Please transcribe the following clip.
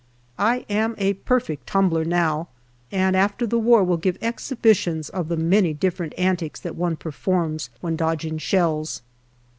I am a perfect tumbler now, and after the war will give exhibitions of the many different antics that one performs when dodging shells.